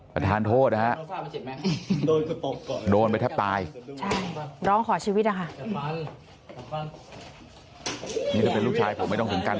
ประธานโทษนะฮะโดนไปแทบตายร้องขอชีวิตนะคะนี่ถ้าเป็นลูกชายผมไม่ต้องถึงกัน